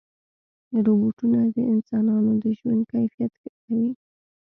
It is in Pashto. روبوټونه د انسانانو د ژوند کیفیت ښه کوي.